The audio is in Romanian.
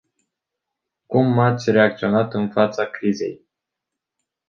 Cum ați reacționat în fața crizei?